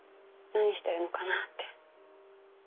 何してるのかなって。